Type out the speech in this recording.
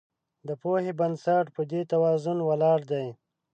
د پوهې بنسټ په دې توازن ولاړ دی.